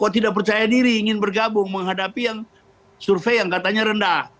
tidak percaya diri ingin bergabung menghadapi survei yang katanya rendah